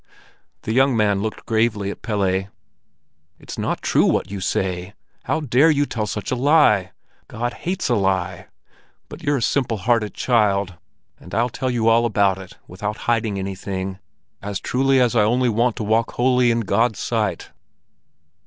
The young man looked gravely at Pelle. "It's not true what you say! How dare you tell such a lie? God hates a lie. But you're a simple hearted child, and I'll tell you all about it without hiding anything, as truly as I only want to walk wholly in God's sight."